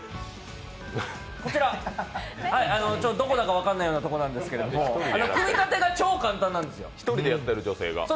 こちらどこだか分かんないようなとこなんですけど、組み立てが超簡単なんですよ。